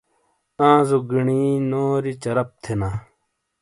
آںزو گیݨی نوری چرپ تھینا۔